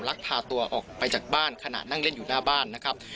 ลักพาตัวออกไปจากบ้านขณะนั่งเล่นอยู่หน้าบ้านนะครับ